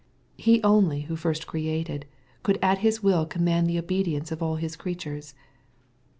He only who first created, could at His will command the obedience of all 3is creatures.